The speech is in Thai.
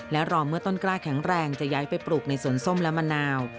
และรอเมื่อต้นกล้าแข็งแรงจะย้ายไปปลูกในสวนส้มและมะนาว